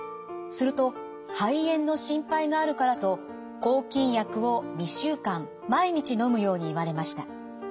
すると肺炎の心配があるからと抗菌薬を２週間毎日のむように言われました。